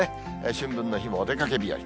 春分の日もお出かけ日和。